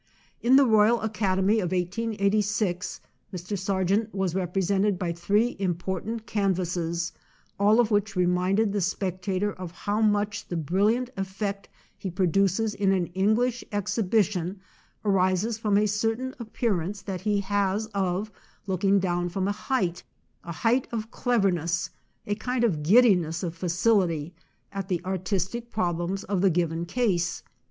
In the Royal Academy of 1886 Mr. Sargent was represented by three important can vases, all of which reminded the spectator of how much the brilliant effect he pro duces in an English exhibition arises from a certain appearance that he has of looking down from a height â a height of cleverness, a kind of giddiness of facility ^ â at the artistic problems of the given case.